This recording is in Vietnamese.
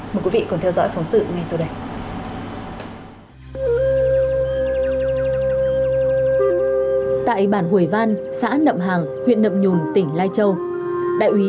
mời quý vị cùng theo dõi phóng sự ngay sau đây